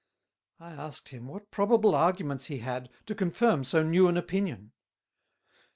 I asked him, what probable Arguments he had, to confirm so new an Opinion?